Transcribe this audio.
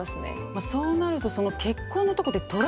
まあそうなるとその「結婚」のとこで。